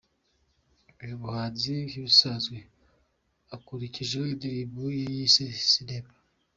Uyu muhanzi nk’ibisanzwe akurikijeho indirimbo ye yise Sinema.